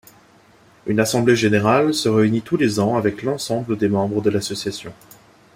Une Assemblée générale se réunit tous les ans avec l'ensemble des membres de l'association.